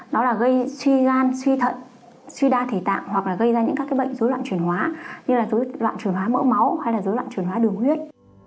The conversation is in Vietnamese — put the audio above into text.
nó là gây suy gan suy thận suy đa thể tạng hoặc là gây ra những các cái bệnh dối loạn truyền hóa như là dối loạn truyền hóa mỡ máu hay là dối loạn truyền hóa đường huyết